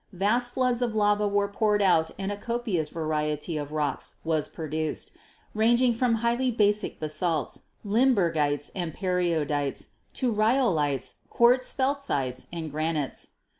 Vast floods of lava were poured out and a copious variety of rocks was produced, ranging from highly basic basalts, limburgites and peridotites to rhyolites, quartz felsites and granites.